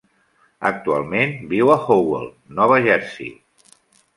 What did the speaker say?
Actualment viu a Howell, Nova Jersey.